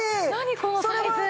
このサイズ。